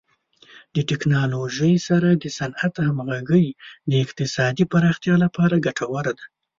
د ټکنالوژۍ سره د صنعت همغږي د اقتصادي پراختیا لپاره ګټوره ده.